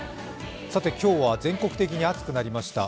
今日は全国的に暑くなりました。